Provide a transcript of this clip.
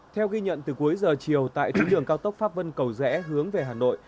theo ghi nhận từ cuối giờ chiều tại tuyến đường cao tốc pháp vân cầu rẽ hướng về hà nội